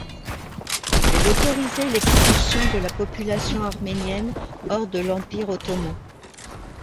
Elle autorisait l'expulsion de la population arménienne hors de l'Empire ottoman.